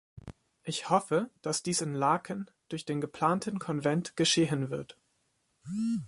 Ich hoffe, dass dies in Laeken und durch den geplanten Konvent geschehen wird.